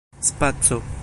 spaco